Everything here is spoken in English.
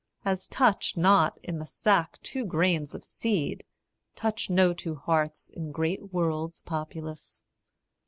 As touch not in the sack two grains of seed, Touch no two hearts in great worlds populous.